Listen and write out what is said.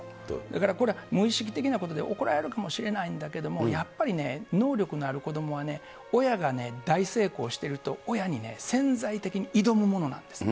これは無意識的なことで怒られるかもしれないんだけれども、やっぱりね、能力のある子どもは、親が大成功してると親に潜在的に挑むものなんです。